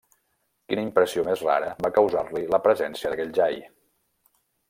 Quina impressió més rara va causar-li la presència d'aquell jai!